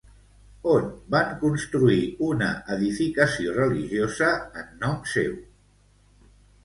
On van construir una edificació religiosa en nom seu?